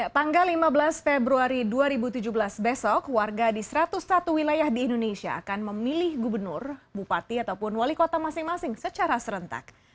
tanggal lima belas februari dua ribu tujuh belas besok warga di satu ratus satu wilayah di indonesia akan memilih gubernur bupati ataupun wali kota masing masing secara serentak